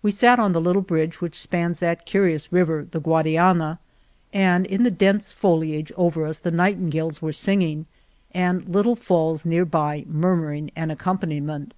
We sat on the little 58 Argamasilla bridge which spans that curious river the Guadiana, and in the dense foliage over us the nightingales were singing, and little falls near by murmuring an accompaniment.